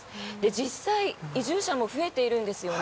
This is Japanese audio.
実際、移住者も増えているんですよね。